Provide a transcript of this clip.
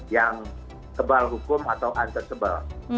yang kebal hukum atau un cancellable